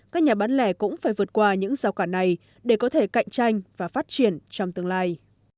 các nhà bán lẻ cũng phải vượt qua những rào cản này để có thể cạnh tranh và phát triển trong tương lai